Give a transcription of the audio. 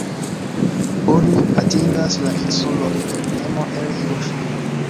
Oni atingas la insulon per pramo el Hiroŝimo.